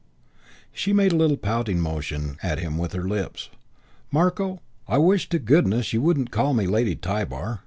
She made a little pouting motion at him with her lips. "Marko, I wish to goodness you wouldn't call me Lady Tybar.